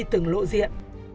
từng lộ diện